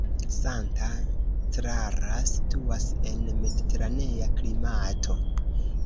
Santa Clara situas en mediteranea klimato.